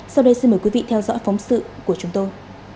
sau đây xin mời quý vị theo dõi phóng sự của chúng tôi